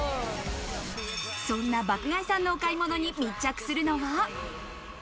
そんな爆買いさんのお買い物に密着するのは。